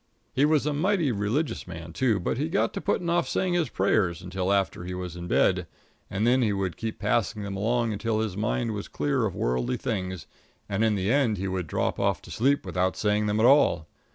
He was a mighty religious man, too, but he got to putting off saying his prayers until after he was in bed, and then he would keep passing them along until his mind was clear of worldly things, and in the end he would drop off to sleep without saying them at all.